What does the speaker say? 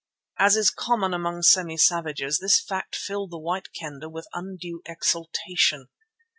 As is common among semi savages, this fact filled the White Kendah with an undue exultation.